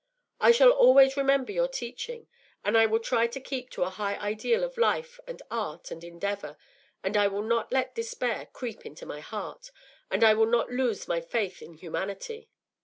I shall always remember your teaching, and I will try to keep to a high ideal of life and art and endeavour, and I will not let despair creep into my heart, and I will not lose my faith in humanity.